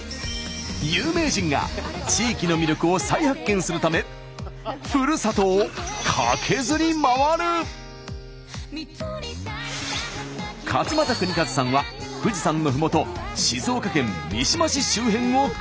有名人が地域の魅力を再発見するためふるさとを勝俣州和さんは富士山のふもと静岡県三島市周辺をカケズる！